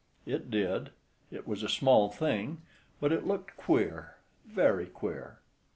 It did. It was a small thing. But it looked queer, Very queer.